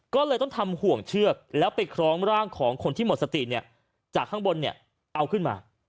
ก็เลยต้องทำห่วงเชือกแล้วไปคล้องร่างของคนที่หมดสติเนี่ยจากข้างบนเนี่ยเอาขึ้นมา